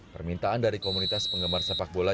permintaan dari komunitas penggemar sepak bola